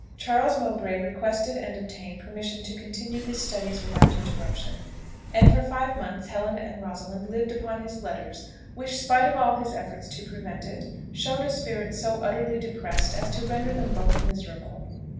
Charles Mowbray requested and obtained permission to continue his studies without interruption, and for five months Helen and Rosalind lived upon his letters, which, spite of all his efforts to prevent it, showed a spirit so utterly depressed as to render them both miserable.